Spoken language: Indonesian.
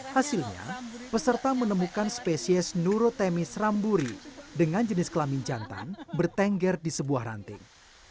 hasilnya peserta menemukan spesies nurotemis ramburi dengan jenis kelamin jantan bertengger di sebuah ranting